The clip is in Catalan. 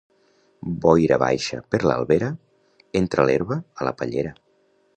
Boira baixa per l'Albera, entra l'herba a la pallera.